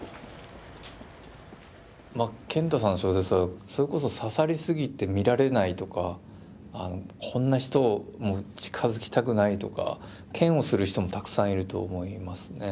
まあ賢太さんの小説はそれこそ刺さりすぎて見られないとかこんな人もう近づきたくないとか嫌悪する人もたくさんいると思いますね。